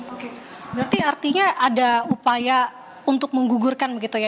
oke berarti artinya ada upaya untuk menggugurkan begitu ya